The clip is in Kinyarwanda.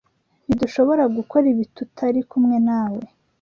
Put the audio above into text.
Ntidushobora gukora ibi tutari kumwe nawe.